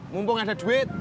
mumpung ada duit